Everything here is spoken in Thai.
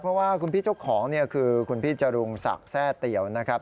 เพราะว่าคุณพี่เจ้าของเนี่ยคือคุณพี่จรุงศักดิ์แทร่เตี๋ยวนะครับ